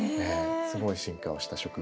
すごい進化をした植物です。